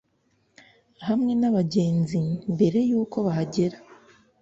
Hamwe n abagenzi mbere y uko bahagera